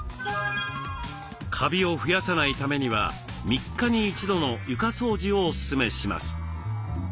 カビを増やさないためには３日に１度の床掃除をオススメします。